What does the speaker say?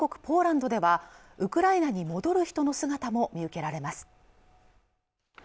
ポーランドではウクライナに戻る人の姿も見受けられます